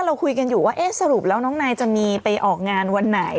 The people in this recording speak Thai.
เราคุยกันอยู่ว่าเอ๊ะสรุปแล้วน้องนายจะมีไปออกงานวันไหน